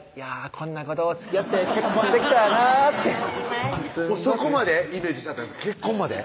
こんな子とつきあって結婚できたらなってそこまでイメージしてはったんですか結婚まで？